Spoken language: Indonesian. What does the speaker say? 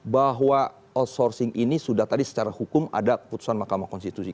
bahwa outsourcing ini sudah tadi secara hukum ada putusan mahkamah konstitusi